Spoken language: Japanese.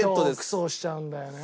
独走しちゃうんだよね。